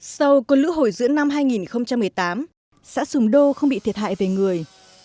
sau cuộc lũ hồi dưỡng năm hai nghìn một mươi tám xã sùm đô không bị thiệt hại về người